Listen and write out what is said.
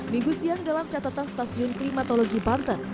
minggu siang dalam catatan stasiun klimatologi banten